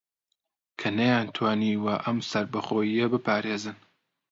کە نەیانتوانیوە ئەم سەربەخۆیییە بپارێزن